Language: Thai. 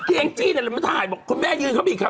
อังจี้เจนไรมาถ่ายขอบคุณแม่ยืนเข้าไปอีกค่ะ